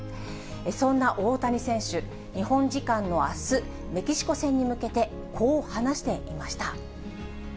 そんな大谷選手、日本時間のあす、メキシコ戦に向けてこう話していました。